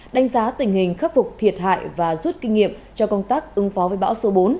đánh giá tình hình khắc phục thiệt hại và rút kinh nghiệm cho công tác ứng phó với bão số bốn